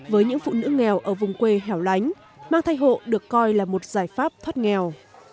với những phụ nữ nghèo ở vùng quê hẻo lánh mang thai hộ được coi là một giải pháp thoát nghèo